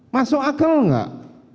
masuk akal enggak